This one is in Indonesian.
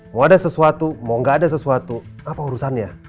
mau ada sesuatu mau gak ada sesuatu apa urusannya